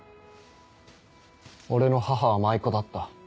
俺の母は舞妓だった。